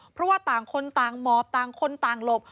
เพราะว่าต่างคนต่างหมอบต่างคนต่างหลบ